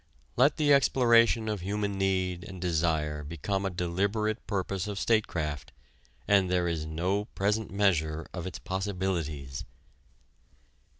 Let the exploration of human need and desire become a deliberate purpose of statecraft, and there is no present measure of its possibilities.